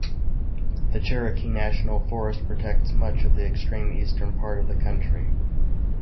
The Cherokee National Forest protects much of the extreme eastern part of the county.